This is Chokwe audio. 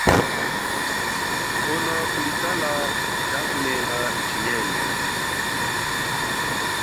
Kuhona kuli tala chakuneha chinyengo.